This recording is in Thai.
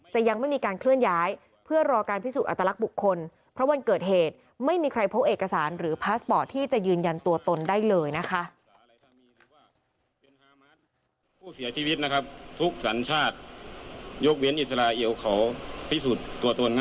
ยังไม่มีการเคลื่อนย้ายเพื่อรอการพิสูอัตลักษณ์บุคคลเพราะวันเกิดเหตุไม่มีใครพบเอกสารหรือพาสปอร์ตที่จะยืนยันตัวตนได้เลยนะคะ